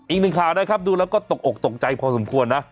อีกหนึ่งข่าวนะครับดูแล้วก็ตกอกตกใจพอสมควรนะ